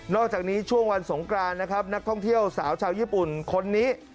อกจากนี้ช่วงวันสงกรานนะครับนักท่องเที่ยวสาวชาวญี่ปุ่นคนนี้